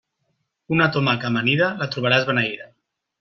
Una tomaca amanida, la trobaràs beneïda.